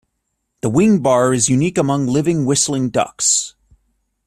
The wing bar is unique among living whistling ducks.